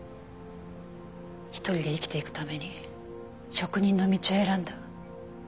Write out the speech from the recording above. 一人で生きていくために職人の道を選んだ。